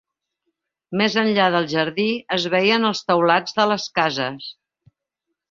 Més enllà del jardí es veien els teulats de les cases.